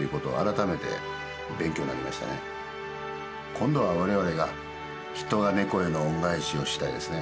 今度は我々が人が猫への恩返しをしたいですね。